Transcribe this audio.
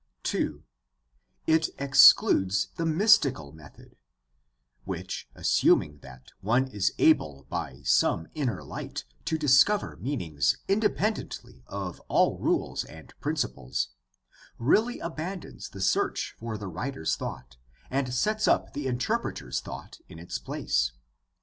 (2) It excludes the mystical method, which, assuming that one is able by some inner light to discover meanings inde pendently of all rules and principles, really abandons the search for the writer's thought and sets up the interpreter's thought in its place.